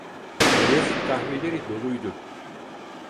Beyazıt kahveleri doluydu.